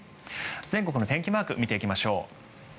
全国の天気マーク見ていきましょう。